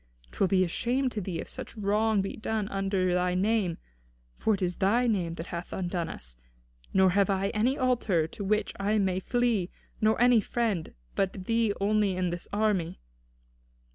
'Twill be a shame to thee if such wrong be done under thy name; for it is thy name that hath undone us. Nor have I any altar to which I may flee, nor any friend but thee only in this army."